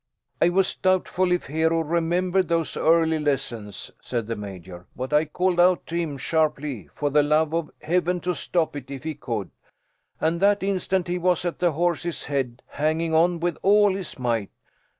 "I was doubtful if Hero remembered those early lessons," said the Major, "but I called out to him sharply, for the love of heaven to stop it if he could, and that instant he was at the horse's head, hanging on with all his might.